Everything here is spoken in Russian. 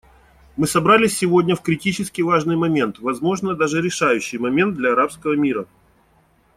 Мы собрались сегодня в критически важный момент — возможно, даже решающий момент — для арабского мира.